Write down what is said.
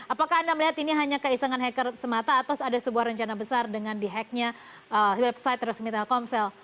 apakah anda melihat ini hanya keisengan hacker semata atau ada sebuah rencana besar dengan di hacknya website resmi telkomsel